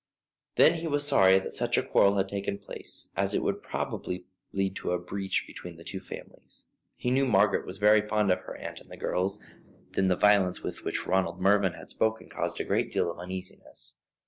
Then he was sorry that such a quarrel had taken place, as it would probably lead to a breach between the two families. He knew Margaret was very fond of her aunt and the girls. Then the violence with which Ronald Mervyn had spoken caused him a deal of uneasiness.